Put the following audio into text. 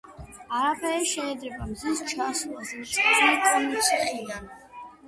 არაფერი შეედრება მზის ჩასვლას მწვანე კონცხიდან.